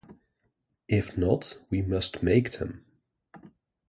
If not, we must make them.